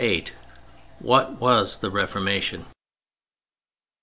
VIII WHAT WAS THE REFORMATION?